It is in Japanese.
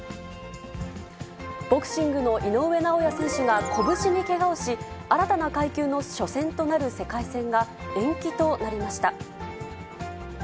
ボクシングの井上尚弥選手が拳にけがをし、新たな階級の初戦となる世界戦が延期となりました。